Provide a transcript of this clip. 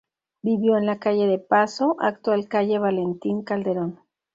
Vivió en la calle del Paso, actual calle Valentín Calderón.